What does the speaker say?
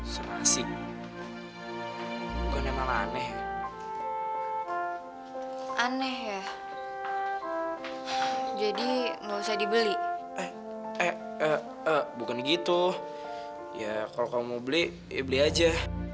serasi malah aneh aneh ya jadi mau saya dibeli eh eh eh eh bukan gitu ya kalau mau beli beli aja